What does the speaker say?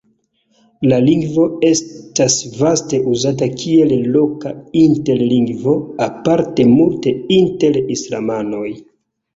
La lingvo estas vaste uzata kiel loka interlingvo, aparte multe inter islamanoj.